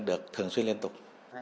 được thường xuyên liên tục